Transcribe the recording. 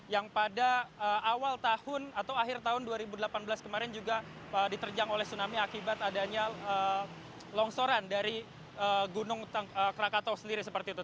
yang pada awal tahun atau akhir tahun dua ribu delapan belas kemarin juga diterjang oleh tsunami akibat adanya longsoran dari gunung krakatau sendiri seperti itu